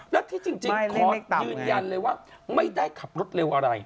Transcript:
และที่จริงขอยืนยันเลยว่าไม่ได้ขับรถเร็วอะไร